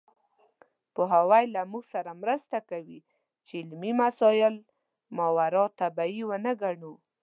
پوهاوی له موږ سره مرسته کوي چې علمي مسایل ماورالطبیعي ونه ګڼو.